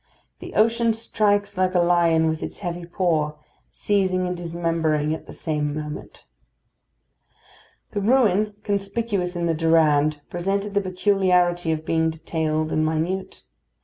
The ocean strikes like a lion with its heavy paw, seizing and dismembering at the same moment. The ruin conspicuous in the Durande presented the peculiarity of being detailed and minute.